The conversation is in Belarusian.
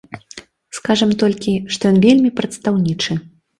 Скажам толькі, што ён вельмі прадстаўнічы.